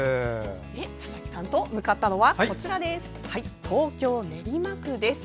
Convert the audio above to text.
佐々木さんと向かったのは東京・練馬区です。